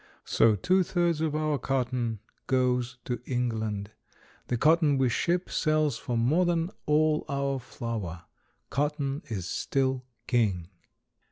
So two thirds of our cotton goes to England. The cotton we ship sells for more than all our flour. Cotton is still king.